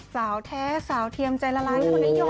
สาวแท้สาวเทียมใจละลาย